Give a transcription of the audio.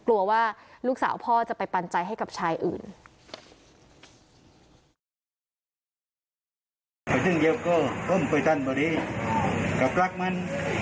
กลัวว่าลูกสาวพ่อจะไปปันใจให้กับชายอื่น